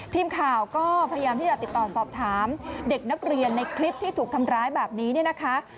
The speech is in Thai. ทีมข่าวก็พยายามที่จะติดต่อสอบถามเด็กนักเรียนในคลิปที่ถูกทำร้ายแบบนี้เนี่ยนะคะ